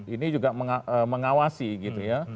ini juga mengawasi gitu ya